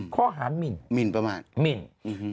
เขาหามิ่นมิ่นประมาณมิ่นอือฮือ